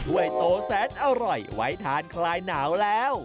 ้วยโตแสนอร่อยไว้ทานคลายหนาวแล้ว